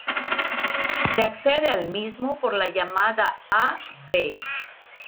Se accede al mismo por la llamada Av.